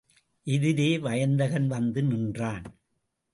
எதிரே வயந்தகன் வந்து நின்றான்.